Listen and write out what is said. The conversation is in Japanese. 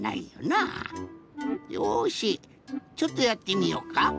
よしちょっとやってみようか。